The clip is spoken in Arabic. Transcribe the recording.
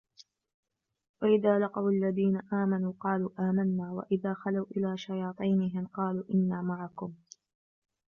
وَإِذَا لَقُوا الَّذِينَ آمَنُوا قَالُوا آمَنَّا وَإِذَا خَلَوْا إِلَىٰ شَيَاطِينِهِمْ قَالُوا إِنَّا مَعَكُمْ